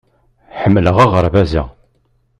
Ḥemmleɣ aɣerbaz-a.